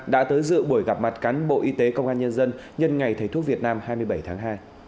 đã tới dự buổi gặp mặt cán bộ y tế công an nhân dân nhân ngày thầy thuốc việt nam hai mươi bảy tháng hai